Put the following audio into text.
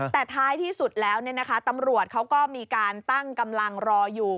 แต่ท้ายที่สุดแล้วตำรวจเขาก็มีการตั้งกำลังรออยู่